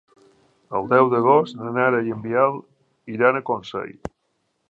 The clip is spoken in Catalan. El deu d'agost na Nara i en Biel iran a Consell.